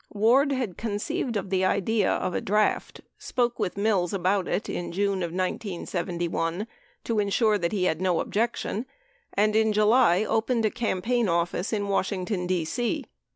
Ward had conceived the idea of a draft, spoke with Mills about it in June of 1971 to insure he had no objection, and in July opened a campaign office in Washington, D.C.